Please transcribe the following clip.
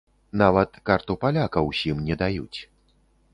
Нават карту паляка ўсім не даюць.